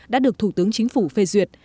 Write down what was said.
đã được thủ tướng chính phủ phê duyệt